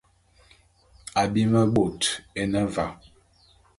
Abim bôt é ne va.